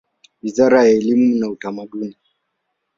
Wizara ya elimu na Utamaduni.